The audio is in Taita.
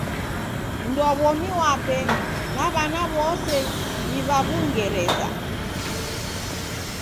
Mnduwaw'omi wape na w'ana w'ose ni w'a w'ungereza.